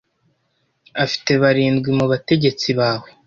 afite barindwi mubategetsi bawe